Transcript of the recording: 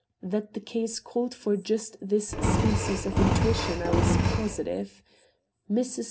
That the case called for just this species of intuition I was positive. Mrs.